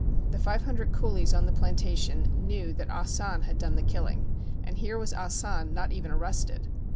The five hundred coolies on the plantation knew that Ah San had done the killing, and here was Ah San not even arrested.